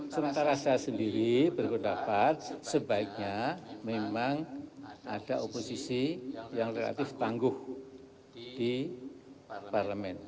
sementara saya sendiri berpendapat sebaiknya memang ada oposisi yang relatif tangguh di parlemen